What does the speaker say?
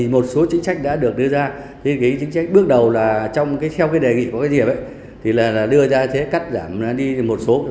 một số chính sách đã được đưa ra chính sách bước đầu là theo đề nghị của diệp đưa ra cắt giảm đi một số